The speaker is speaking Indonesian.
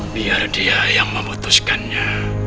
biar dia yang memutuskannya